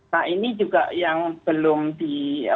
nah ini juga yang belum di